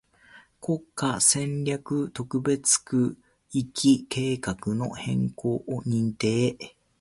国家戦略特別区域計画の変更を認定